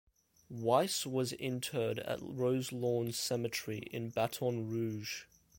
Weiss was interred at Roselawn Cemetery in Baton Rouge.